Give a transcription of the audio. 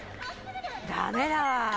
ダメだわ！